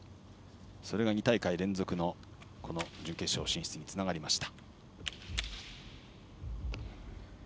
それが２大会連続のこの準決勝進出につながりました。